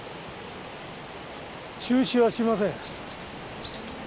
中止はしません。